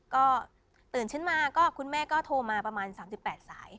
ก็ตื่นขึ้นมาก็คุณแม่ก็โทรมาประมาณ๓๘สาย